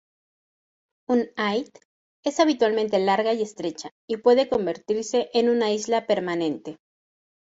Un "ait" es habitualmente larga y estrecha, y puede convertirse en una isla permanente.